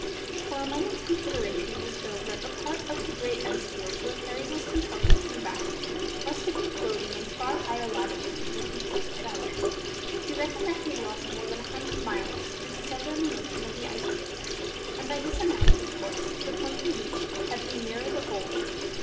For a moment's consideration will show that the part of the great ice field where Parry was compelled to turn back must have been floating in far higher latitudes when he first set out. He reckoned that he had lost more than a hundred miles through the southerly motion of the ice field, and by this amount, of course, the point he reached had been nearer the Pole.